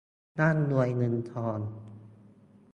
ร่ำรวยเงินทอง